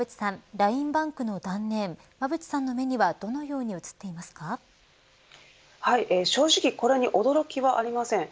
ＬＩＮＥＢａｎｋの断念、馬渕さんの目には正直、これに驚きはありません。